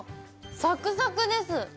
サクサクです。